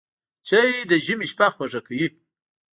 چای د ژمي شپه خوږه کوي